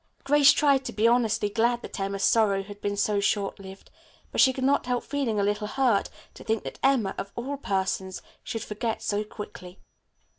Grace tried to be honestly glad that Emma's sorrow had been so short lived, but she could not help feeling a little hurt to think that Emma, of all persons, should forget so quickly.